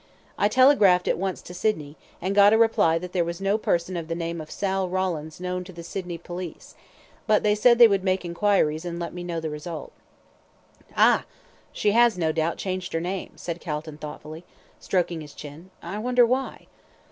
I telegraphed at once to Sydney, and got a reply that there was no person of the name of Sal Rawlins known to the Sydney police, but they said they would make enquiries, and let me know the result." "Ah! she has, no doubt, changed her name," said Calton, thoughtfully, stroking his chin. "I wonder why?"